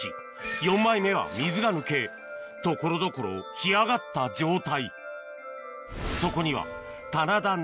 ４枚目は水が抜け所々干上がった状態